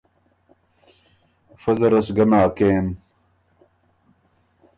فۀ زره سو ګۀ ناکېم۔